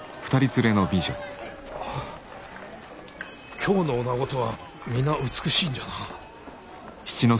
京のおなごとは皆美しいんじゃな。